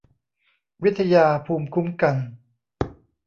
วิทยาภูมิคุ้มกัน